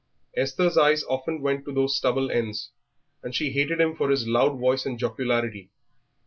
Esther's eyes often went to those stubble ends, and she hated him for his loud voice and jocularity.